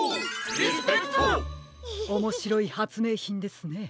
おもしろいはつめいひんですね。